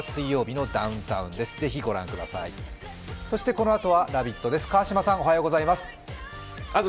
そしてこのあとは「ラヴィット！」です。